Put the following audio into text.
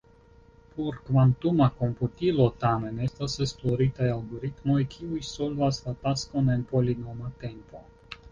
Por kvantuma komputilo, tamen, estas esploritaj algoritmoj kiuj solvas la taskon en polinoma tempo.